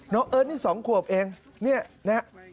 น้องเอิร์ดนี่สองขวบเองนี่นะครับ